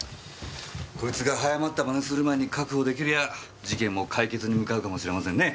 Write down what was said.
こいつが早まった真似する前に確保できりゃ事件も解決に向かうかもしれませんね。